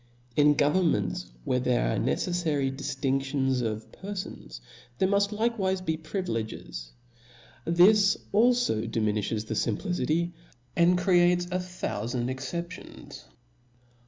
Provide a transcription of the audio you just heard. In governments where there are neceflTary di »* ftin£tions of perfons, there muft likewife be privi leges. This alfo diminilhes the fimplicity, and creates a thoufand exceptions.